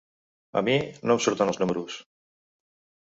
A mi, no em surten els números.